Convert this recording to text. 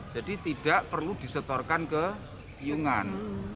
jadi tidak perlu disetorkan ke piungan